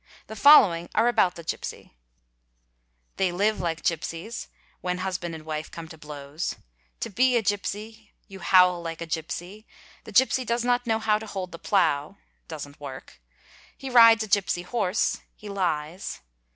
The following are about the gipsy :—"' They live like gipsies" (when husband and wife come to _ blows).—'To be a gipsy."—' You howl like a gipsy."—' The gipsy does not know how to hold the plough" suas t work).—*' He tides ; a gipsy horse" (he lies).